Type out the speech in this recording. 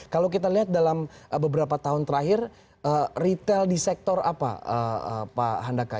kalau kita lihat dalam beberapa tahun terakhir retail di sektor apa pak handaka